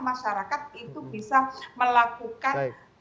masyarakat itu bisa melakukan